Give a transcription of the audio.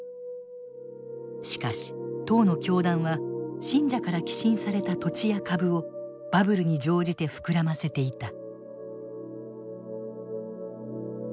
しかし当の教団は信者から寄進された土地や株をバブルに乗じて膨らませていた。